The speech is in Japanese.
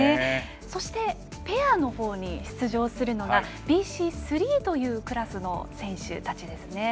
そしてペアのほうに出場するのがＢＣ３というクラスの選手たちです。